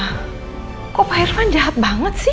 wah kok pak irfan jahat banget sih